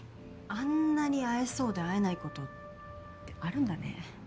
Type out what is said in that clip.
あんなに会えそうで会えないことってあるんだね。